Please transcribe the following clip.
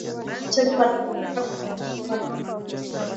wanachama wa democratic na republican